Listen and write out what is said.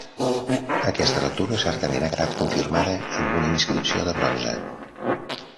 Aquesta lectura certament ha quedat confirmada amb una inscripció de bronze.